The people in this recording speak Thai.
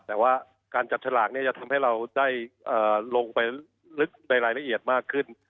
แต่ว่าการจับฉลากเนี่ยจะทำให้เราได้ลงไปลึกในรายละเอียดมากขึ้น